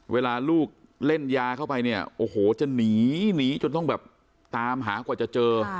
เวลาลูกเล่นยาเข้าไปเนี่ยโอ้โหจะหนีหนีจนต้องแบบตามหากว่าจะเจอ